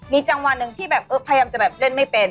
มีจังหวะหนึ่งที่แบบเออพยายามจะแบบเล่นไม่เป็น